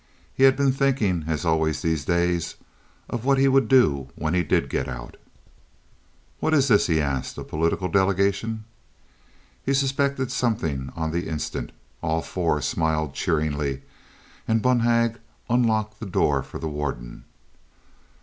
He had been thinking, as always these days, of what he would do when he did get out. "What is this," he asked—"a political delegation?" He suspected something on the instant. All four smiled cheeringly, and Bonhag unlocked the door for the warden.